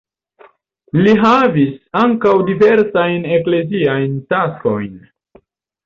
Li havis ankaŭ diversajn ekleziajn taskojn.